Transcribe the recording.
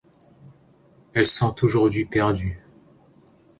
Elles sont aujourd'hui perdues.